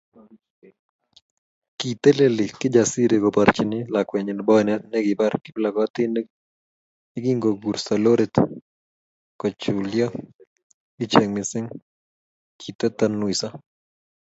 Kiteleli Kijasiri koborchini lakwenyi boinet nekibar kiplokotinik yekingokurso lorit kocholyo iche missing kitatanuiso